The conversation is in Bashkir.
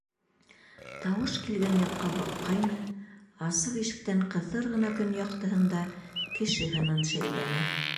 Тауыш килгән яҡҡа баҡҡайны, асыҡ ишектән ҡыҫыр ғына көн яҡтыһында кеше һынын шәйләне.